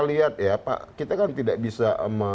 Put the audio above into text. lihat ya pak kita kan tidak bisa